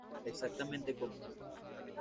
Exactamente cómo?